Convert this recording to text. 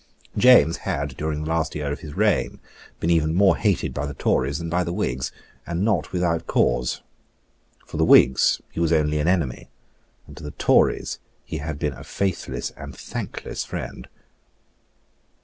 James had during the last year of his reign, been even more hated by the Tories than by the Whigs; and not without cause for the Whigs he was only an enemy; and to the Tories he had been a faithless and thankless friend.